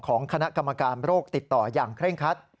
ของคณะกรรมการโรคติดต่ออย่างเคร่งคัด